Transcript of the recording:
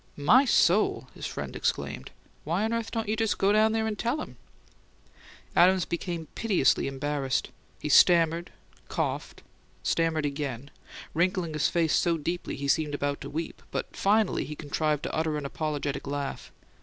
"My soul!" his friend exclaimed. "Why on earth don't you just go down there and tell him?" Adams became pitiably embarrassed. He stammered, coughed, stammered again, wrinkling his face so deeply he seemed about to weep; but finally he contrived to utter an apologetic laugh.